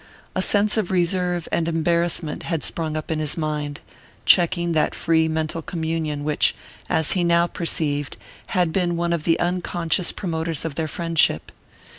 A sense of reserve and embarrassment had sprung up in his mind, checking that free mental communion which, as he now perceived, had been one of the unconscious promoters of their friendship.